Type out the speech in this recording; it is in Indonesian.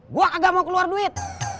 gue agak mau keluar duit